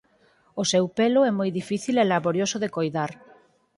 O seu pelo é moi difícil e laborioso de coidar.